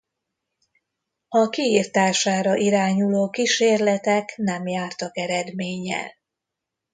A kiirtására irányuló kísérletek nem jártak eredménnyel.